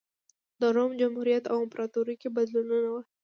د روم جمهوریت او امپراتورۍ کې بدلونونه و